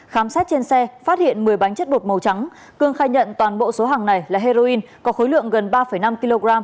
khám xét trên xe phát hiện một mươi bánh chất bột màu trắng cương khai nhận toàn bộ số hàng này là heroin có khối lượng gần ba năm kg